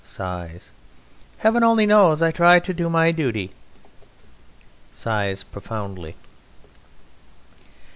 Heaven only knows I try to do my duty! (_Sighs profoundly.